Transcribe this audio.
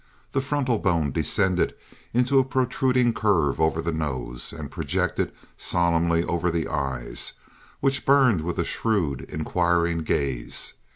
The frontal bone descended in a protruding curve over the nose, and projected solemnly over the eyes, which burned with a shrewd, inquiring gaze.